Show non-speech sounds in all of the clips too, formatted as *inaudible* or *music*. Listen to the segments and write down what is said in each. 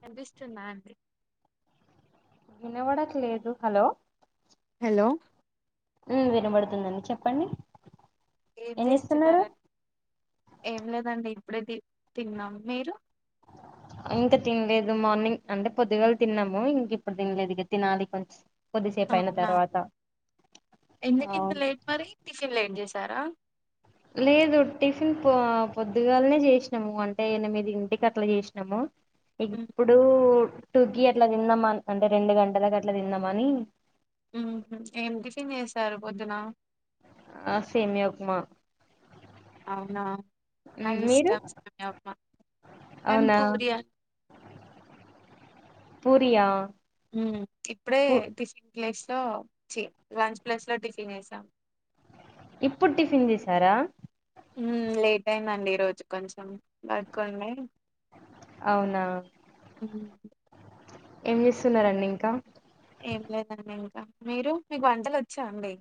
వినిపిస్తుంద అండి వినవడట్ లేదు హలో హలో ఉమ్ వినబడుతుందండి చెప్పండి ఏమి చేస్తున్నారు అండి ఏం లేదండి ఇప్పుడే తిన్నాం మీరు ఇంకా తినలేదు మార్నింగ్ అంటే పొద్దుగాల తిన్నాము ఇంక ఇప్పుడు తినలేదు ఇగ తినాలి కొంచెం కొద్దిసేపు అయిన అవున తర్వాత ఎందుకు ఇంత అవును లేట్ మరి టిఫిన్ లేట్ చే చేసారా లేదు టిఫిన్ పో పొద్దుగాలనే చేసినాము అంటే ఎనిమిదింటికి అట్లా చేసినాము ఇప్పుడు టుకీ అట్లా తిందాం అంటే రెండు గంటలకు అట్లా తిందమ అని ఉ ఏం టిఫిన్ చేసారు పొద్దున ఆ సేమియ ఉప్మా అవున మీరు నాకిష్టం సేమియ ఉప్మ మేం అవునా పూరి పూరి ఆ ఉమ్ ఇప్పుడే టిఫిన్ క్లేష్ లో చి లంచ్ ప్లేస్ లో టిఫిన్ చేసాం ఇప్పుడు టిఫిన్ చేసారా హు లేట్ అయిందండి ఈరోజు కొంచెం వర్క్ ఉండే అవున ఏం చేస్తున్నరండి ఇంకా ఏం లేదండి ఇంకా మీరు మీకు వంటలు వచ్చా అండి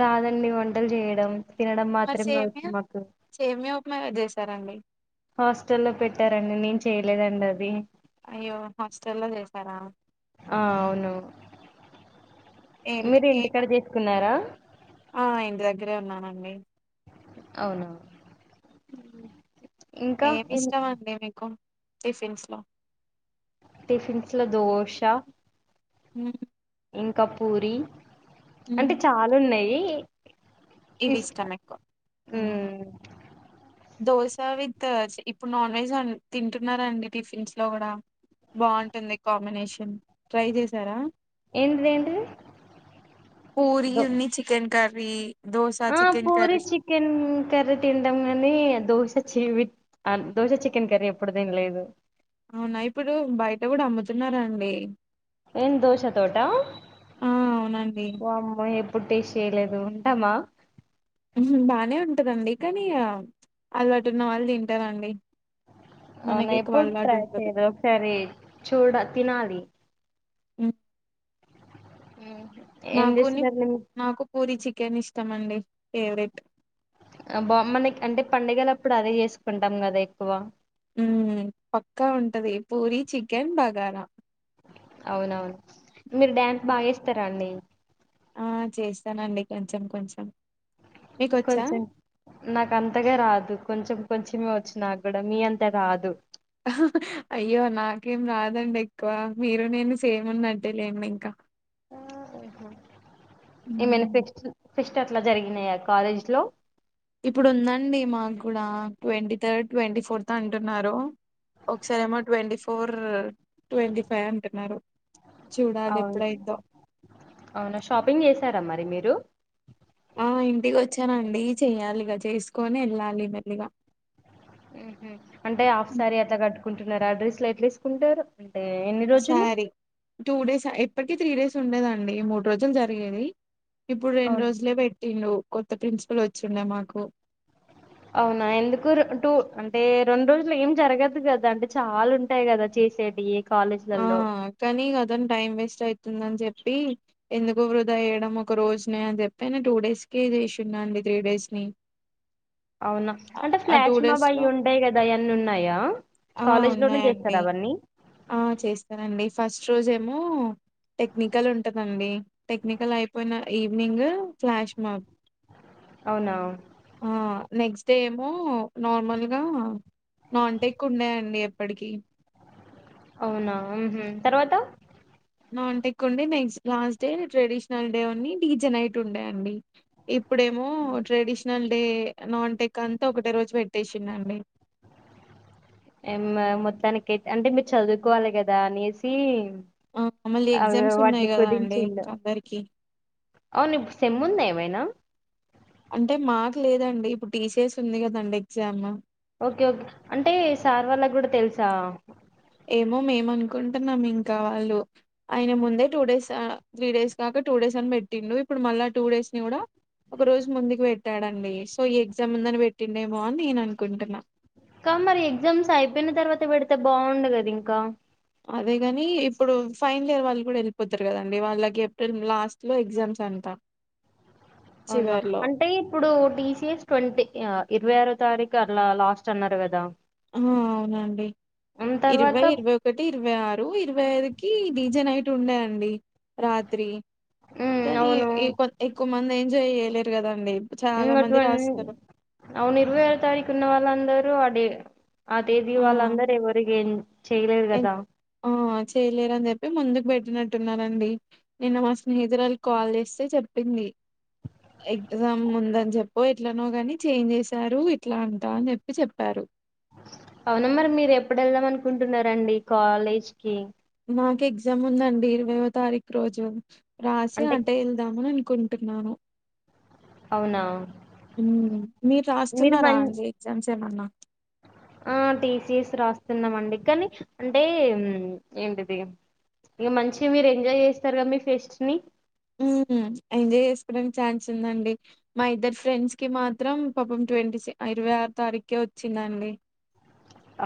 రాదండి వంటలు చేయడం తినడం మరి మాత్రే వచ్చు సేమియా మాకు సేమియా ఉప్మా ఎవరు చేశారండి హాస్టల్లో పెట్టారండి నేను చేయలేదండి అది అయ్యో హాస్టల్లో చేసారా ఆ అవును ఏం మీరు ఏ ఇంటికడ చెసుకున్నారా నే అవున ఏమి ఇష్టమండి మీకు టిఫిన్స్ లో టిఫిన్స్ లో దోష హుమ్మ్ ఇంకా పూరి మ్మ్. అంటే చాల ఉన్నాయి *inaudible* ఇవి ఇష్ట ఇష్టం ఎక్కువ హుమ్మ్ దోస విత్ ఇప్పుడు నాన్ వెజ్ ఆ తింటురండి టిఫిన్స్ లో కూడా బాగుంటుంది కాంబినేషన్ ట్రై చేసారా ఏంటిది ఏంటిది పూరి దో ఉన్ని చికెన్ కర్రీ దోశ ఆ chicken puri curry chicken curry తింటాం కానీ దోశ చి విత్ ఆ దోశ చికెన్ కర్రీ ఎప్పుడు తినలేదు అవునా ఇప్పుడు బయట కూడా అమ్ముతున్నారండి ఏం దోశ తోట ఆ అవునండి వామ్మో ఎప్పుడు టేస్ట్ చేయలేదు దు ఉంటామా హుమ్మ్ బానే ఉంటదండి కానీ అల్వాటున్న వాళ్ళు తింటారండి అవునా మనకి ఎక్కువ ఎప్పుడు అలవాటు ట్రై ఉండదు చేయలే ఒకసారి చూడ తినాలి ఉమ్ ఉమ్ నాకునీ నాకు పూరి చికెన్ ఇష్ ష్టమండి ఫేవరెట్ బా మనకి అంటే పండగల అప్పుడు అదే చేసుకుంటాం కదా ఎక్కువ ఉమ్ పక్కా ఉంటది పూరి చికెన్ బగారా అవునవును మీరు డ్యాన్స్ హ్మ్. బాగా ఏస్తారా అండి ఆ చేస్తానండి కొంచెం కొంచెం మీకొచ్చా కొంచెం నాకు అంతగా రాదు కొంచెం కొంచమే వచ్చునాకూడా మీ అంత రాదు అయ్యో నాకేం రాదండి ఎక్కువ మీరు నేను సేమ్ వునట్టే లెండి ఇంక ఆ ఓహో ఈ హ్మ్ మనిఫెస్ *unintelligible* ఫెస్ట్ అట్ల జరిగినాయ కాలేజ్ లో ఇప్పుడు ఉందండి మాకు కూడా ట్వంటీ థర్డ్ ట్వంటీ ఫోర్త్ అంటున్నారు ఒకసారిమో ట్వంటీ ఫోర్ ట్వంటీ ఫైవ్ అంటున్నారు చూడాలి అవును ఎప్పుడైద్దో అవునా షాపింగ్ చేసారా మరి మీరు *inaudible* ఆ ఇంటికి వచ్చానండి చెయ్యాలిగా చేసుకొని వెళ్ళాలి మెల్లిగ ఊహు అంటే హాఫ్ సారి అట్ల కట్ట కుంటున్నారు డ్రెస్ లు ఎట్ల వేసుకుంటరు సారీ టూ డేస్ ఇప్పటికి త్రీ డేస్ ఉండేదండి మూడు రోజులు జరిగేది ఇప్పుడు రెండు అవును రోజులే పెట్టిండు కొత్త ప్రిన్సిపల్ వచ్చిండే మాకు అవునా ఎందుకు రె టూ అంటే రెండు రోజులు ఏం జరగదు కదా అంటే చాలా ఉంటాయి కదా చేసేటీవీ ఆ కానీ అదని టైం వేస్ట్ అవుతుందని చెప్ప చెప్పి ఎందుకు వృధా వయ్యడం ఒక రోజునే అని చెప్పి నేను టూ డేస్ కి చేసిండు అండి త్రీ డేస్ ని అవునా అంటే ఆ టూ ఫ్లాష్ మాబ్ డేస్ లో అయ్యి ఉంటయి కదా అవన్నీ ఉన్నాయా ఆ కాలేజ్ లోనే చేస్తర ఉన్నాయండి అవన్నీ ఆ చేస్తానండి ఫస్ట్ రోజేమో టెక్నికల్ ఉంటదండి టెక్నికల్ అయిపోయిన ఈవినింగ్ ఫ్లాష్ మబ్ అవున నెక్స్ట్ డే ఏమో నార్మల్గా నాన్ టెక్ ఉండేయండి ఎప్పటికిీ అవు ఉమ్మ్ తర్వత నాంట ఎక్ండి next last day traditional day అన్ని డీజనైట్ ఉండేయండి ఇప్పుడేమో ట్రెడిషనల్ నాన్ టెక్ అంత ఒకటే రోజు పెట్టేసిండండి మొత్తానికి ఐతే అంటే మీరు చదువుకోవాలి కద దనేసి ఆ మళ్ళీ ఆవి ఎగ్జామ్స్ ఉన్నాయి వాటిని కదా అండి కుదించిండు ఇంకా అందరికి అవును సెమ్ముంద ఏమైన అంటే మాక్ లేదండి ఇప్పుడు టీసీఎస్ ఉంది కదండి ఎగ్జామ్ ఒకే ఒకే అంటే సార్ వాళ్ళకి కూడా తెలుసా ఏమో మేము అనుకుంటున్నాం ఇంకా వాళ్ళు ఆయన ముందే టూ డేస్ త్రీ డేస్ కాక టూ డేస్ అని పెట్టిండు ఇప్పుడు మళ్ళా టూ డేస్ ని కూడా ఒక రోజు ముందుకి పెట్టాడండి సో ఈ ఎగ్జామ్ ముందని పెట్టిండేమో అని నేను అనుకుంటున్నా క మరి ఎగ్జామ్స్ అయిపోయిన తర్వాత పెడితే బాగుండ కదా ఇంకా అదే కాని ఇప్పుడు ఫైనల్ ఇయర్ వాళ్ళు కూడా వెళ్ళిపోతారు కదండి వాళ్ళకి ఏప్రిల్ లాస్ట్ లో ఎగ్జామ్స్ అంట అవునా చివర్లో అంటే ఇప్పుడు టీసీఎస్ ట్వంటీ ఇరవై ఆరు తారీఖు అలా లాస్ట్ అన్నారు కదా ఆ అవునండి. ఉమ్ తర్వాత ఇరవై, ఇరవై ఒకటి, ఇరవై ఆరు ఇరవై ఇరవైదుకి డీజే నైట్ ఉండే అండి. రాత్రి ఉమ్ కానీ అవును కొ ఎక్కువ మంది ఎంజాయ్ చేయలేరు కదండి చాలా మంది అటువ రాస్తారు అవును ఇరవై ఆరు తారీఖు ఉన్న వాళ్ళందరూ డే ఆ తేదీ వాళ్ళందరు ఎవరికి ఏం చేయలేదు ఎన్ గదా ఆ చేయలేరని చెప్పి ముందుకు పెట్టినట్టున్నరండి నిన్న మా స్నేహితురాళకి కాల్ చేస్తే చెప్పింది ఎగ్జామ్ ముందని చెప్ప ఎట్లనో కాని చేంజ్ చేసారు ఇట్లా అంటా అని చెప్పి చెప్పారు. అవున మరి మీరు ఎప్పుడు ఎళ్దాం అనుకుంటున్నారంండి కాలేజ్ కి మాకు ఎగ్జామ్ ఉందండి ఇరవైతారీఖు రోజు రాశి అంటే అటే ఎళ్దాము అని నుకుంటున్నాను అవునా మ్మ్. మీరు మీరు రాస్తున్నారా మన్ అండి ఎగ్జామ్స్ ే అన్న ఆ టీసీఎస్ రాస్తున్నాం అండి కానీ అంటే ఏంటిది ఇక మంచి మీరు ఎంజాయ్ చేస్తారు కదా మీ ఫెస్ట్ ని ఉమ్మ్ ఎంజాయ్ చేసుకోవడానికి ఛాన్స్ ఉందండి. మా ఇద్దరు ఫ్రెండ్స్ కి మాత్రం పాపం ట్వంటీ ఇరవై ఆరు తారీఖే వచ్చిందండి.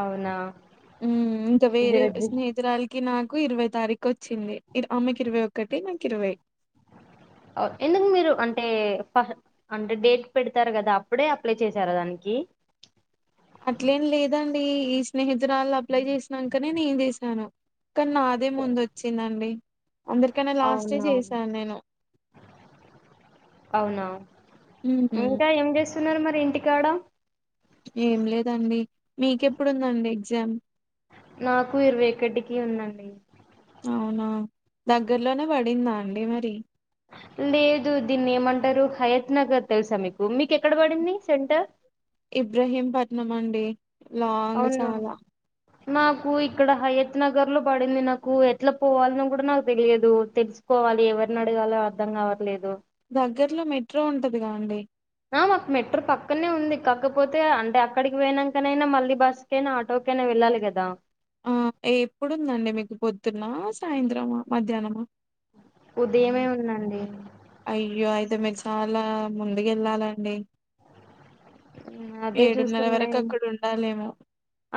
అవునా మ్మ్ ఇంకా వేరే దురదృ స్నేహితురాలుకి నా కు ఇరవై తారీకొచ్చింది. ఆమ్మెకి ఇరవై ఒకటి నాకు ఇరవై ఎందుకు మీరు అంటే ఫ అంటే డేట్ పెడతారు కదా అప్పుడే అప్లై చేశారా దానికి అట్లేం లేదండి ఈ స్నేహితు ఉత్తరాలు అప్లై చేసినంకనే నేను చేసిశాను కానీ నాదే ముందొచ్చిందండి అందరికన్నా లాస్టే అవునవును చేశాను నేను. అవునా ఇంకా ఏం చేస్తున్నారు మరి ఇంటి కాడ ఏం లేదండి మీకెప్పుడుందండి ఎగ్జామ్ నాకు ఇరవై ఒక్కటికి ఉందండి. అవునా దగ్గర్లోనే పడిందా అండి మరి లేదు దీన్ని ఏమంటరు హయత్ నగర్ తెలుసా మీకు మీకు ఎక్కడ పడింది సెంటర్ ఇబ్రహీంపట్నం అండి లాంగ్ అవును చాలా నాకు ఇక్కడ హయత్ నగర్ లో పడింది నాకు ఎట్లా పోవాల్నో కూడా నాకు తెలియదు తెలుసుకోవాలి ఎవరిని అడగాలో అర్ధం కావట్లేదు దగ్గర్లో మెట్రో ఉంటదిగా అండి ఆ మాకు మెట్రో పక్కనే ఉంది. కాకపోతే అంటే అక్కడికి పోయినంకనైనా మళ్ళీ బస్సుకైనా ఆటోకైనా వెళ్ళాలి కదా ఆ ఏప్పుడుందండి మీకు పొద్దున్న సాయంత్రమా మధ్యానమా ఉదయమే ఉందండి అయ్యో అయితేమీరు చాలా ముందు గెళ్ళాలండి. అదే చూస్తున్నాయి అక్కడ ఉండాలేమో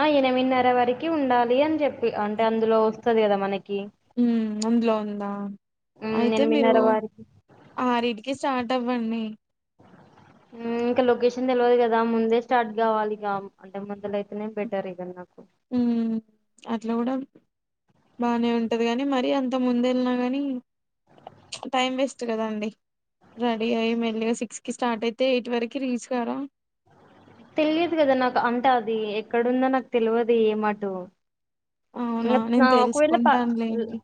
ఆ ఎనిమిన్నర వరకి ఉండాలి అని చెప్పి అంటే అందులో వస్తది కదా మనకి ఉమ్ అందులో ఉందా ఉమ్, అయితే మీరు ఎనిమిదిన్నర వారికి ఆరిటికి స్టార్ట్ టవ్వండి ఇంకా లొకేషన్ తెలివదు కదా ముందే స్టార్ట్ గావాలి ఇగ అంటే ముందల అయితేనే బెటర్ ఇదన్నా ఊమ్ అద్ ఇట్లా కూడా బాగానే ఉంటది కానీ, మరి అంత ముందు వెళ్ళినా కానీ టైం వేస్ట్ కదండి. రెడీ అయ్యి, మెల్లిగా సిక్స్ కి స్టార్ట్ అయితే, ఎయిట్ వరకు రీచ్ కామా. తెలియదు కదా నాకు అంట అది ఎక్కడుందో నాకు తెల్వదు ఏ మాటకు ఇంగ అవునా నా నేను ఒకవేళ పా ల తెలుసుకుంటానులేండి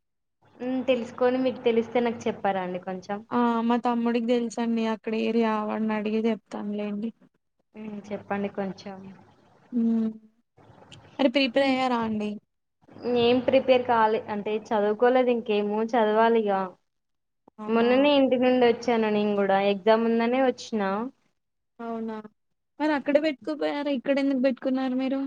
ఉమ్ తెలుసుకొని మీకు తెలిస్తే నాకు చెప్పార అండి. కొంచెం ఆ మా తమ్ముడికి తెలుసూ అండి అక్కడ ఏరియా అన్ అడిగి చెప్తానులేన్ చెప్పండి కొంచెం ఉమ్ అరే ప్రిపేర్ ఉమ్. అయ్యారా అండి. ఏం ప్రిపేర్ కావాలి అంటే చదువుకోలేదు ఇంకేమో చదవాలిగా అవునా మొన్ననే ఇంటి నుండి వచ్చ వచ్చాను నేను కూడా ఎగ్జామ్ ఉందనే వచ్చినా అవునా మరి అక్కడే పెట్టుకోపోయారా ఇక్కడ ఎందుకు పెట్టుకున్నారు మీరు.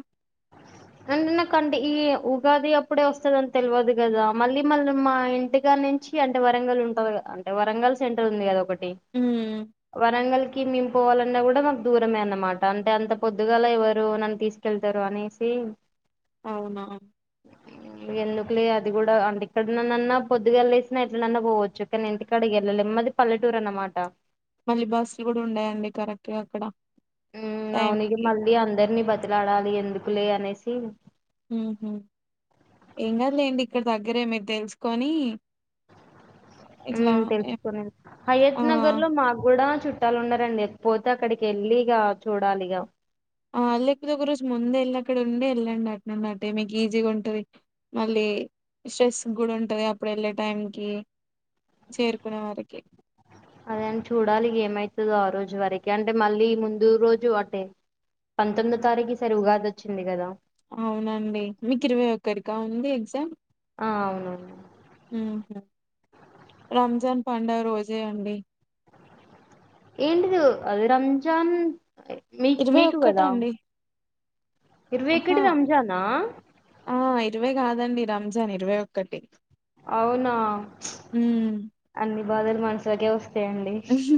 అంటే నాకు అంటే ఈ ఉగాది అప్పుడే వస్తది అని తెల్వదు కదా. మళ్ళీ మళ్ళీ మా ఇంటికా నుంచి అంటే వరంగల్ ఉంటది కదా అంటే, వరంగల్ సెంటర్ ఉంది కదా ఒకటి. మ్మ్ కి వరంగల్ కి మేం పోవాలన్నా కూడా మాకు దూరమే అనమాట అంటే అంత పొద్దుగాల ఎవరు నన్ను తీసుకెళ్ ఇద్దరు అనేసి అవునా ఎందుకులే అది కూడా అంటే ఇక్కడన్నా పొద్దుగా లేసినా ఎట్లనన్నా పోవచ్చు కానీ, ఇంటికాడ వెళ్ళలేము అది పల్లెటూరు అనమాట. మళ్ళి బస్సులు కూడా ఉన్నాయండి కరెక్ట్ గా అక్కడ ఉమ్ టైం అవును ఇగ కి మళ్ళీ అందరినీ బతిలాడాలి ఎందుకు కులే అనేసి ఉహు ఏం కాదు లేండి ఇక్కడ దగ్గరే మీరు తెలుసుకొని ఊమ్ ఇట్లా తెలుసుకోండి ఆ హయత్ నగర్ లో మా కూడా చు చట్టాలు ఉన్నారండి పోతే అక్కడికి వెళ్ళి ఇగా చూడాలి ఇగ ఆ లేకపోతే ఒకరోజు ముందే వెళ్ళి అక్కడ ఉండే వెళ్ళండి. అట్నుండి అట్టే మీకు ఈజీగా ఉంటది. మళ్ళీ స్ట్రెస్ కూడా ఉంటది. అప్పుడు వెళ్ళే టైంకి చేరుకునే వారికి. అదే అండి చూడాలి. ఏమైతదో ఆ రోజు వరకే, అంటే మళ్ళీ ముందు రోజు అటే పంతొమ్మిదో తారీఖు ఈ సారి ఉగాది వచ్చింది కదా! అవునండి మీకు ఇరవై ఒకరిగా ఉంది ఎగ్జామ్ ఆ అవునవును ఉహు రంజాన్ పండగ రోజే అండి ఏంటిది అది రంజాన్ మీక్ ఇరవై మీకు ఒక్కట కదా అండి ఇరవై ఆహా ఒక్కటి రంజానా ఆ ఇరవై కాదండి రంజాన్ ఇరవై ఒక్కటి అవునా అన్ని బాదలు మనసలక వస్త హహు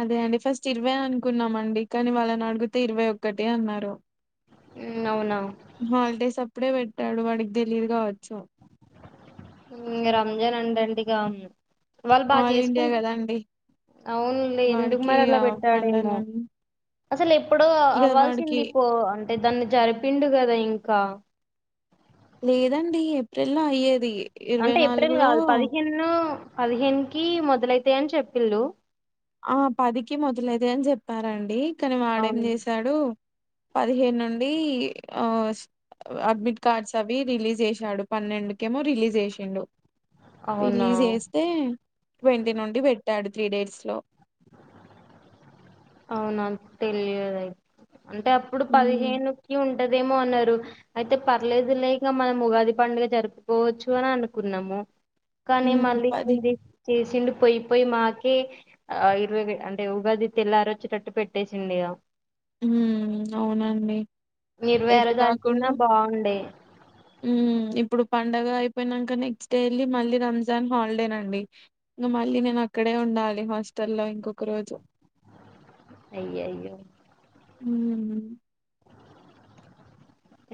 అదే అండి ఫస్ట్ ఇర్ ఇరవే అనుకున్నామండి కానీ వాళ్ళని అడిగితే ఇరవై ఒక్కటి అన్నారు. మ్మ్ అవునా హల్డే సబ్ ఇప్పుడే పెట్టాడు వాడికి తెలీయదు కావచ్చు. ఉ రంజాన్ అండండి ఇకా ఉను వాళ్ళు బాగా ఆల్ ఇండియా చేసుకుంట కదండి అవునులే ఎందుకు వాడికి మరి అలా ఆ పెట్టాడేమో పండాలని అసలు ఇప్పుడు ఇగ వాడికి అవ్వాల్సింది పో అంట అతే దాన్ని జరిపిండు కదా ఇంకా. లేదండి ఏప్రిల్ లో అయ్యేది ఇరవై అంటే ఏప్రిల్ నాలుగులో కావాలి పదిహేను పదిహేనుకి మొదలైతాయని చెప్పిళ్లు ఆ పదికి మొదలేద అని చెప్పారండి. కాని వాడేం అవును చేశాడు. పదిహేను నుండి ఆ అడ్మిట్ కార్డ్స్ అవి రిలీజ్ చేసాడు పన్నెండుకేమో రిలీజ్ చేసిండు. అవునా రిలీజ్ చేస్తే ట్వంటీ నుండి పెట్ తాడు త్రీ డేస్ లో అవునా తెలియదుయితే అంటే అప్పుడు ఉమ్ పదిహేనుకి ఉంట ఉంటదేమో అన్నారు. అయితే పర్లేదులే ఇక మనం ఉగాది పండుగ జరుపుకోవచ్చు అని అనుకున్నాము. కానీ ఉమ్ మళ్ళీ పది చేసిండు పోయిపోయి మాకె ఆయుర్వేది అంటే ఉగాది తెల్లారి వచ్చేటట్టు పెట్టేసిండడిగా అవునండి ఇరవై ఎట్ ఆరో తారీకున్న కాకుండా బాగుండే ఊ ఇప్పుడు పండగ అయిపోయినాక నెక్స్ట్ డే వెల్లి మళ్ళీ రంజాన్ హాలిడేనండి, ఇంక మళ్ళీ నేను అక్కడే ఉండాలి హాస్టల్ల్లో ఇంకొక రోజు. అయ్యోయ్యో ఊ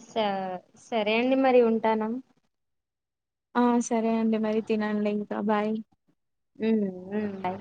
స సరే అండి మరి ఉంటాను. ఆ సరే అండి మరి తినండి ఇంకా బాయ్ ఊ ఊ ఉండాయి